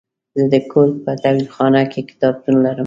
زه د کور په تلخونه کې کتابتون لرم.